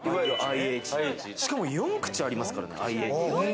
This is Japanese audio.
しかも４口ありますからねＩＨ。